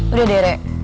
udah deh rek